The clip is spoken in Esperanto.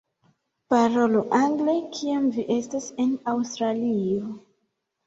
Parolu angle kiam vi estas en Aŭstralio!